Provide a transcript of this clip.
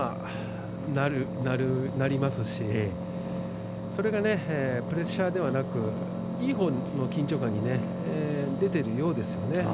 なりますしそれがプレッシャーではなくいい方の緊張感に出ているようですね